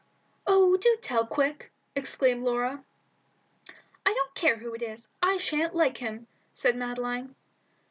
"Oh, do tell, quick!" exclaimed Laura. "I don't care who it is. I sha'n't like him," said Madeline.